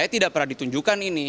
tidak pernah ditunjukkan ini